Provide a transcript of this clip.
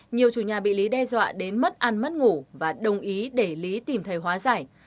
nhiều chủ nhà bị lý đe dọa đến mất ăn mất ngủ và đồng ý để lý tìm thầy hóa giải